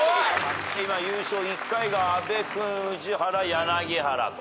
今優勝１回が阿部君宇治原柳原と。